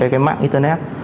cái mạng internet